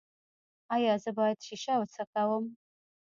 ایا زه باید شیشه وڅکوم؟